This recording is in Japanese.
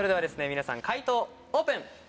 皆さん解答オープン！